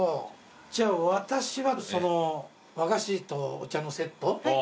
じゃあ私はその和菓子とお茶のセット。